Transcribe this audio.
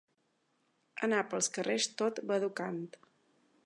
Anar pels carrers tot badocant.